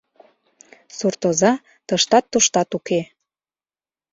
Суртоза тыштат-туштат уке.